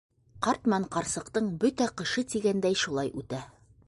Ҡарт менән ҡарсыҡтың бөтә ҡышы тигәндәй шулай үтә.